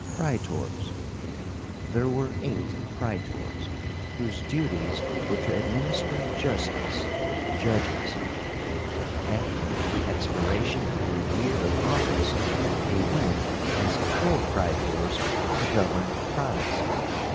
PRAETORS. There were eight Praetors, whose duties were to administer justice (judges). After the expiration of their year of office, they went, as Propraetors, to govern provinces.